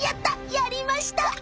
やりました。